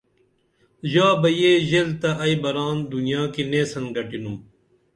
ژا بہ یہ ژیل تہ ائی بران دنیا کی نیسن گٹِنُم